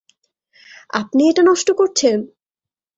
আপনি এটা নষ্ট করছেন!